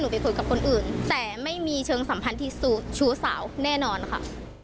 ไปคุยกับคนอื่นแต่ไม่มีเชิงสัมพันธ์ที่ชู้สาวแน่นอนค่ะ